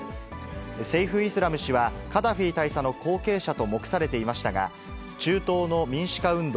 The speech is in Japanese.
セイフ・イスラム氏は、カダフィ大佐の後継者と目されていましたが、中東の民主化運動、